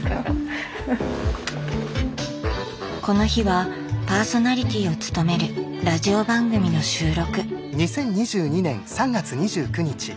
この日はパーソナリティを務めるラジオ番組の収録。